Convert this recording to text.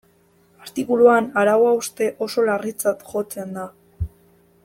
Artikuluan arau hauste oso larritzat jotzen da.